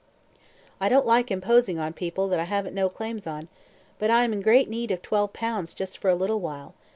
"I don't like imposing on people that I haven't no claims on, but I am in great need of twelve pounds just for a little while.